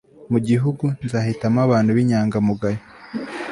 mu gihugu, nzahitamo abantu b'inyangamugayo